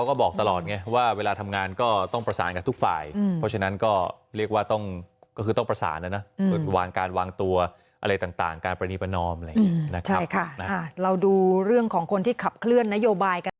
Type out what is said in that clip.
ก็คิดว่าน่าจะเป็นการร่วมมือที่ดีครับ